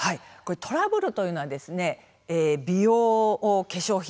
トラブルというのは美容・化粧品